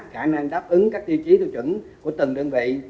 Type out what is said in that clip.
khả năng đáp ứng các tiêu chí tiêu chuẩn của từng đơn vị